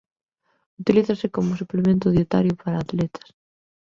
Utilízase como suplemento dietario para atletas.